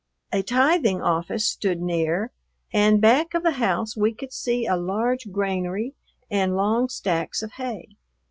A tithing office stood near, and back of the house we could see a large granary and long stacks of hay.